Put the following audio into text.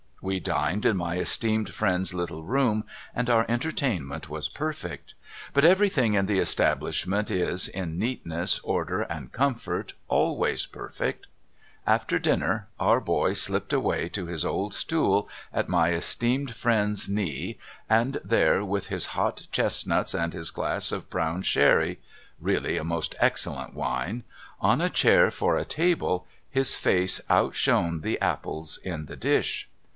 We dined in my esteemed friend's little room, and our entertainment was perfect. But everything in the establishment is, in neatness, order, and comfort, always perfect. After dinner our boy slipped away to his old stool at my esteemed friend's knee, and there, with his hot chestnuts and his glass of brown sherry (really, a most excellent wine !) on a chair for a table, his face outshone the apples in the dish.